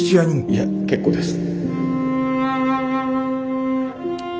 いえ結構です。